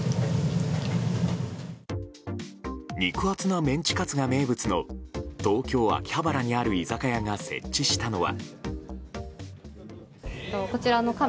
肉厚なメンチカツが名物の東京・秋葉原にある居酒屋が設置したのは。